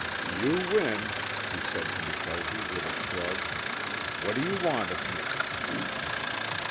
"You win," he said to McKelvie with a shrug. "What do you want of me?"